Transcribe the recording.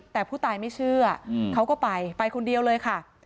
แต่ผู้ตายไม่เชื่อเขาก็ไปไปคนเดียวเลยค่ะ